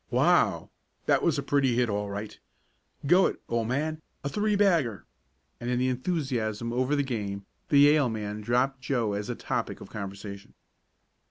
Wow! That was a pretty hit all right. Go it, old man! A three bagger!" and in the enthusiasm over the game the Yale man dropped Joe as a topic of conversation.